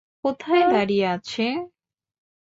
কোথায় দাঁড়িয়ে আছে?